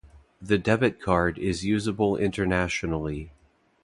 The debit card is usable Internationally.